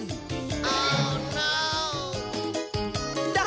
ได้ละ